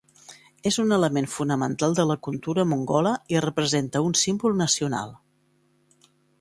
És un element fonamental de la cultura mongola i representa un símbol nacional.